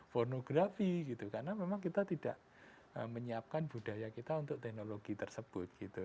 pornografi gitu karena memang kita tidak menyiapkan budaya kita untuk teknologi tersebut gitu